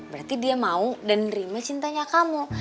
berarti dia mau dan nerima cintanya kamu